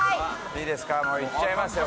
いいですかいっちゃいますよ